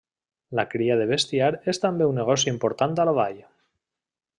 La cria de bestiar és també un negoci important a la vall.